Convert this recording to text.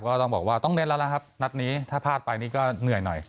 ก็ต้องบอกว่าต้องเน้นแล้วนะครับนัดนี้ถ้าพลาดไปนี่ก็เหนื่อยหน่อย